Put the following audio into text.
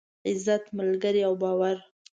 عزت، ملگري او باور.